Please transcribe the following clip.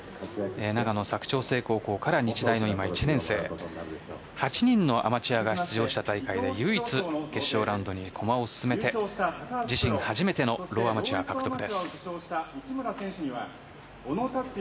長野佐久長聖高校から日大の１年生８人のアマチュアが出場した大会で唯一、決勝ラウンドに駒を進めて自身初めてのローアマチュア獲得です。